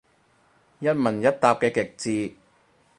一問一答嘅極致